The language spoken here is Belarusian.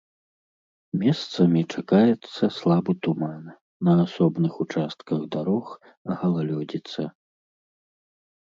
Месцамі чакаецца слабы туман, на асобных участках дарог галалёдзіца.